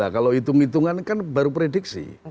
kalau hitung hitungan kan baru prediksi